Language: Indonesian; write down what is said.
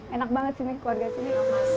enak banget sih keluarga sini